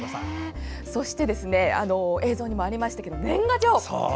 そして映像にありましたが、年賀状。